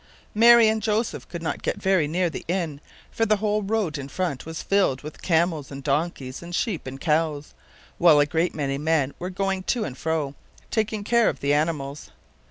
Mary and Joseph could not get very near the inn; for the whole road in front was filled with camels and donkeys and sheep and cows, while a great many men were going to and fro, taking care of the animals.